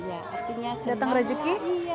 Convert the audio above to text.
artinya datang rejeki